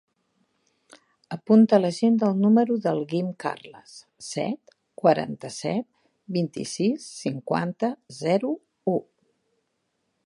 Apunta a l'agenda el número del Guim Carles: set, quaranta-set, vint-i-sis, cinquanta, zero, u.